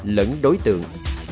lẫn đối tượng